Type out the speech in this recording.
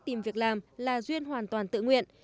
tìm việc làm là duyên hoàn toàn tự nguyện